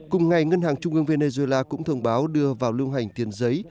cùng ngày ngân hàng trung ương venezuela cũng thông báo đưa vào lưu hành tiền giấy